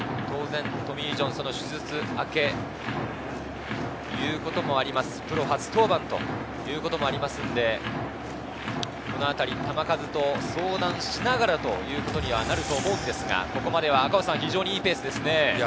当然、トミー・ジョン手術明けということもあります、プロ初登板ということもありますんで、このあたり、球数と相談しながらということにはなると思うんですが、ここまでは非常にいいペースですね。